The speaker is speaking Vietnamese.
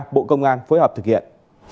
bộ công an phối hợp thực hiện